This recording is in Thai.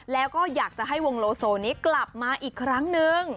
แล้วก็อยากจะให้วงโลโซนี้กลับมาอีกครั้งนึง